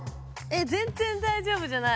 全然大丈夫じゃない。